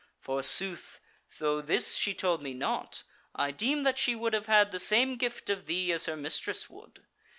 Forsooth, though this she told me not, I deem that she would have had the same gift of thee as her mistress would.